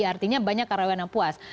artinya banyak karyawan yang puas